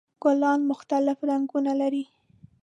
ګلان مختلف رنګونه لري.